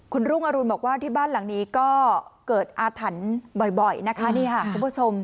คุณรุ่งอรุณบอกว่าที่บ้านหลังนี้ก็เกิดอาถรรพ์บ่อยนะคะนี่ค่ะคุณผู้ชม